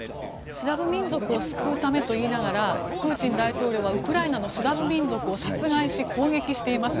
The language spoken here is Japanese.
スラブ民族を救うためといいながらプーチン大統領はウクライナのスラブ民族を殺害し攻撃しています。